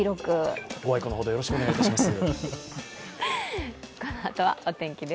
ご愛顧のほど、よろしくお願いいたします。